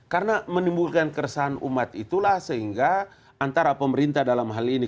karena menimbulkan keresahan umat itulah sehingga antara pemerintah dalam hal ini